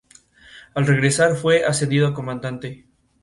Al regresar fue ascendido a comandante.